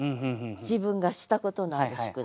自分がしたことのある宿題。